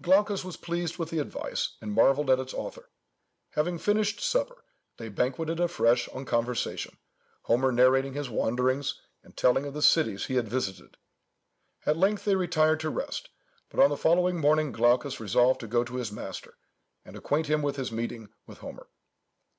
Glaucus was pleased with the advice, and marvelled at its author. Having finished supper, they banqueted afresh on conversation, Homer narrating his wanderings, and telling of the cities he had visited. At length they retired to rest; but on the following morning, Glaucus resolved to go to his master, and acquaint him with his meeting with Homer.